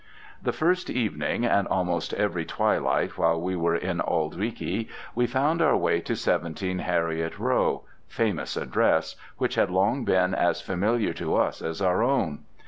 The first evening, and almost every twilight while we were in Auld Reekie, we found our way to 17 Heriot Row—famous address, which had long been as familiar to us as our own.